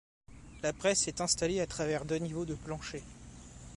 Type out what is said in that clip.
La presse est installée à travers deux niveaux de plancher.